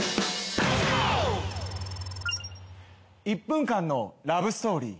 １分間のラブストーリー。